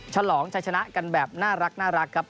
ฉลองชัยชนะกันแบบน่ารักครับ